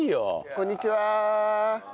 こんにちは。